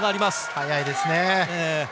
速いですね。